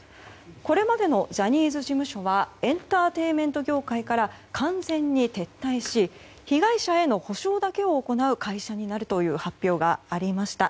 これまでのジャニーズ事務所はエンターテインメント業界から完全に撤退し被害者への補償だけを行う会社になるという発表がありました。